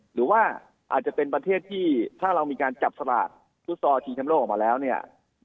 หรือว่าอาจจะเป็นประเทศที่ถ้าเรามีการจับสลากฟุตซอลชิงชำโลกออกมาแล้วเนี่ย